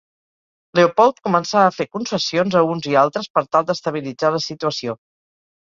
Leopold començà a fer concessions a uns i altres per tal d'estabilitzar la situació.